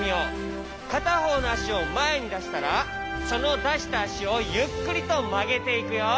かたほうのあしをまえにだしたらそのだしたあしをゆっくりとまげていくよ。